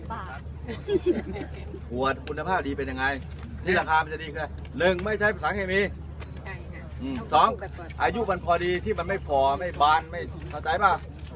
ขวดคุณภาพดีเป็นยังไงที่ราคามันจะดีคือ๑ไม่ใช้ภาษาเคมี๒อายุมันพอดีที่มันไม่พอไม่บานไม่เข้าใจป่ะ